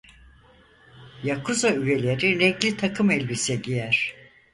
Yakuza üyeleri renkli takım elbise giyer.